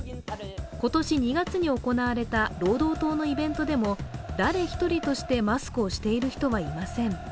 今年２月に行われた労働党のイベントでも誰一人としてマスクをしている人はいません。